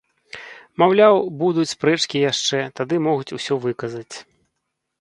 Маўляў, будуць спрэчкі яшчэ, тады могуць усё выказаць.